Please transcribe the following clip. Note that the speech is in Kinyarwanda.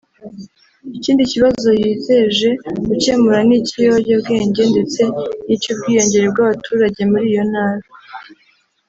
Ikindi kibazo yizeje gukemura ni icy’ibiyobyabwenge ndetse n’icy’ubwiyongere bw’abaturage muri iyo ntara